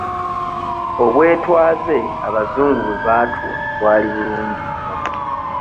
Obwetwaze abazungu bwe baatuwa bwali bulungi nnyo.